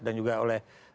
dan juga oleh